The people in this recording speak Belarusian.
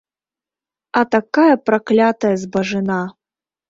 А такая праклятая збажына!